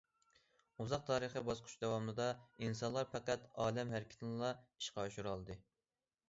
ئۇزاق تارىخىي باسقۇچ داۋامىدا ئىنسانلار پەقەت ئالەم ھەرىكىتىنىلا ئىشقا ئاشۇرالىدى.